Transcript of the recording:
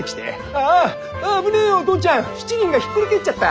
「ああっ危ねえよドンちゃん七輪がひっくり返っちゃった！